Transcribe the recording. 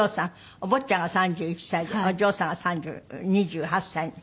お坊ちゃんが３１歳でお嬢さんが２８歳に。